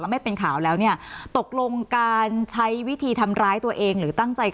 แล้วรู้แล้วเนี่ยตกลงการใช้วิธีทำร้ายตัวเอง